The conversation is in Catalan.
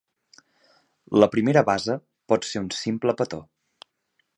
La primera base pot ser un simple petó.